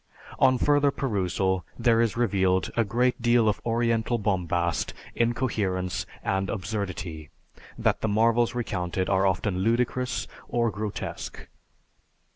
On further perusal, there is revealed, "A great deal of Oriental bombast, incoherence and absurdity, that the marvels recounted are often ludicrous or grotesque."